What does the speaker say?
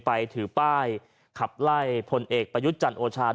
ไปถือป้ายขับไล่พลเอกประยุทธ์จันทร์โอชา